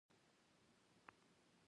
د بنسټيزو بدلونونو راوستل دي